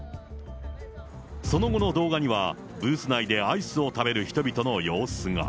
その後の動画には、ブース内でアイスを食べる人々の様子が。